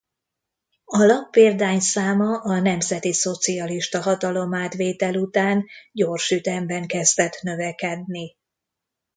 A lap példányszáma a nemzetiszocialista hatalomátvétel után gyors ütemben kezdett növekedni.